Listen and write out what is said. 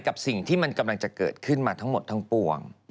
กับสิ่งที่มันกำลังจะเกิดขึ้นมาทั้งหมดทั้งปวง